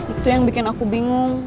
itu yang bikin aku bingung